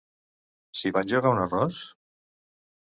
S'hi van jugar un arròs?